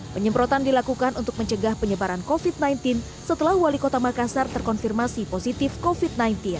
penyemprotan dilakukan untuk mencegah penyebaran covid sembilan belas setelah wali kota makassar terkonfirmasi positif covid sembilan belas